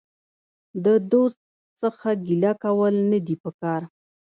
د دوست څخه ګيله کول نه دي په کار.